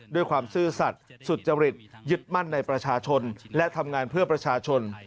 ความซื่อสัตว์สุจริตยึดมั่นในประชาชนและทำงานเพื่อประชาชน